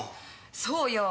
そうよ